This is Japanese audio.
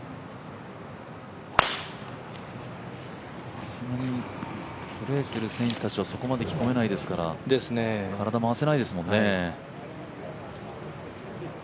さすがにプレーする選手たちはそこまで着込めないですから体も動かしづらいですもんね。